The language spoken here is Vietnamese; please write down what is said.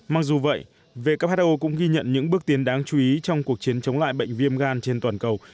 mặc dù vậy who cũng ghi nhận những bước tiến đáng chú ý trong cuộc chiến chống lại bệnh viêm gan trên toàn cầu